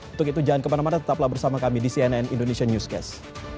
untuk itu jangan kemana mana tetaplah bersama kami di cnn indonesia newscast